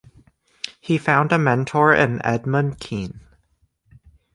He found a mentor in Edmund Kean.